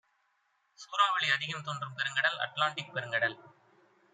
சூறாவளி அதிகம் தோன்றும் பெருங்கடல் அட்லாண்டிக் பெருங்கடல்